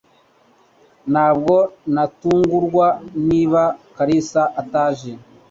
Ntabwo natungurwa niba Kalisa ataje